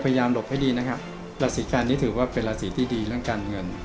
หลบให้ดีนะครับราศีกันนี่ถือว่าเป็นราศีที่ดีเรื่องการเงิน